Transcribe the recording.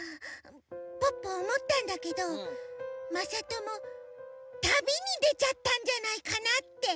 ポッポおもったんだけどまさとも旅にでちゃったんじゃないかなって。